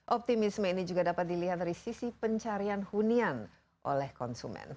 optimisme ini juga dapat dilihat dari sisi pencarian hunian oleh konsumen